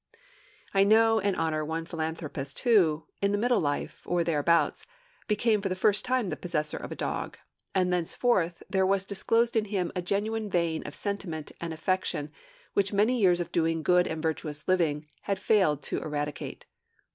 I know and honor one philanthropist who, in middle life or thereabout, became for the first time the possessor of a dog; and thenceforth there was disclosed in him a genuine vein of sentiment and affection which many years of doing good and virtuous living had failed to eradicate.